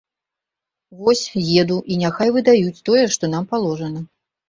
Вось, еду і няхай выдаюць тое, што нам паложана.